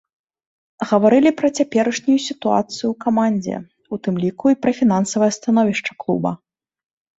Гаварылі пра цяперашнюю сітуацыю ў камандзе, у тым ліку і пра фінансавае становішча клуба.